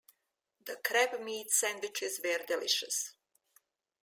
The crabmeat sandwiches were delicious.